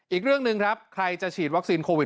อีกเรื่องหนึ่งครับใครจะฉีดวัคซีนโควิด